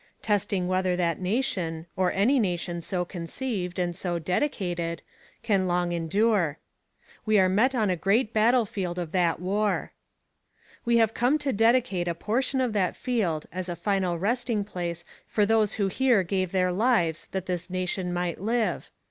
. .testing whether that nation, or any nation so conceived and so dedicated. .. can long endure. We are met on a great battlefield of that war. We have come to dedicate a portion of that field as a final resting place for those who here gave their lives that this nation might live.